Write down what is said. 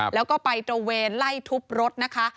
แล้วก็ไปตระเวนไล่ทุบรถนะคะ